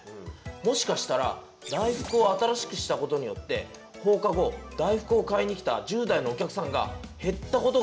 もしかしたら大福を新しくしたことによって放課後大福を買いに来た１０代のお客さんが減ったことが原因かも。